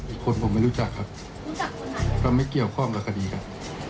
อีกคนผมไม่รู้จักครับรู้จักก็ไม่เกี่ยวข้องกับคดีครับ